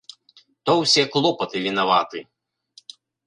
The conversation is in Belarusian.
То ўсе клопаты вінаваты.